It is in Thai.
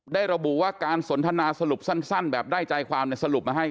ระบุว่าการสนทนาสรุปสั้นแบบได้ใจความสรุปมาให้